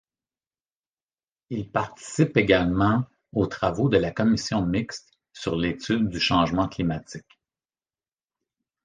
Il participe également aux travaux de la commission mixte sur l'étude du changement climatique.